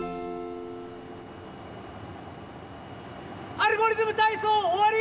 「アルゴリズムたいそう」おわり！